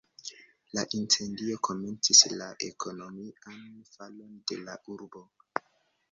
La incendio komencis la ekonomian falon de la urbo.